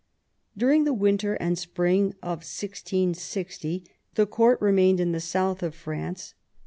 During the winter and spring of 16G0 the court remained in the south of France.